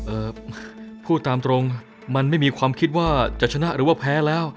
เอ่อพูดตามตรงมันไม่มีความคิดว่าจะชนะหรือว่าแพ้แล้ว